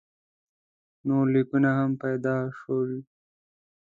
نور لیکونه هم پیدا شول.